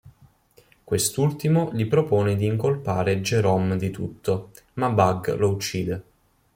Quest'ultimo gli propone di incolpare Jerome di tutto, ma Bug lo uccide.